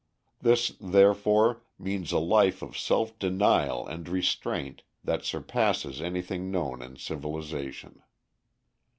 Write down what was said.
This, therefore, means a life of self denial and restraint that surpasses anything known in civilization.